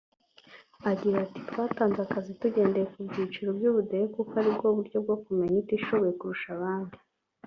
Agira ati“Twatanze akazi tugendeye ku byiciro by’ubudehe kuko aribwo buryo bwo kumenya utishoboye kurusha abandi